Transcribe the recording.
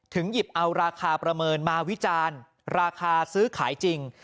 หยิบเอาราคาประเมินมาวิจารณ์ราคาซื้อขายจริง